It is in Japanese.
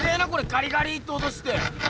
ガリガリって音して！